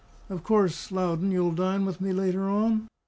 Of course, Loudon, you'll dine with me later on?"